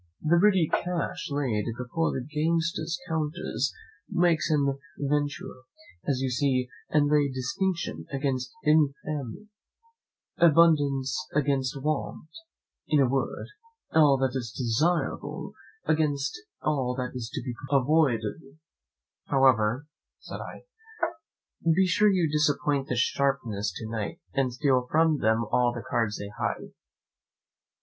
The ready cash laid before the gamester's counters makes him venture, as you see, and lay distinction against infamy, abundance against want; in a word, all that is desirable against all that is to be avoided." "However," said I, "be sure you disappoint the sharpers to night, and steal from them all the cards they hide."